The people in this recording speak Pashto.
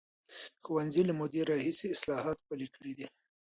ښوونځي له مودې راهیسې اصلاحات پلي کړي دي.